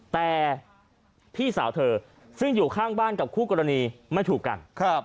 แต่พี่สาวเธอซึ่งอยู่ข้างบ้านกับคู่กรณีไม่ถูกกัน